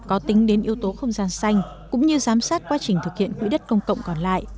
có tính đến yếu tố không gian xanh cũng như giám sát quá trình thực hiện quỹ đất công cộng còn lại